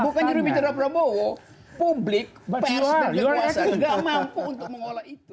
bukan juru bicara prabowo publik psb kekuasaan nggak mampu untuk mengolah itu